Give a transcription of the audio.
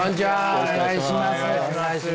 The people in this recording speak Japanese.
お願いします。